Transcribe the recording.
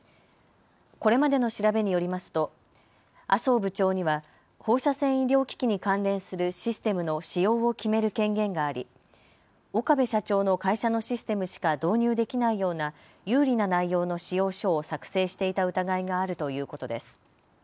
これまでの調べによりますと麻生部長には放射線医療機器に関連するシステムの仕様を決める権限があり岡部社長の会社のシステムしか導入できないような有利な内容の仕様書を作成していた疑いがあるということです。